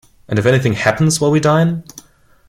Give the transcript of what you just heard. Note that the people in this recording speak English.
And if anything happens while we dine?